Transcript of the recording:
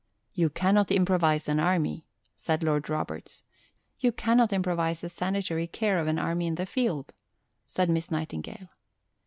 "You cannot improvise an Army," says Lord Roberts. "You cannot improvise the sanitary care of an Army in the field," said Miss Nightingale.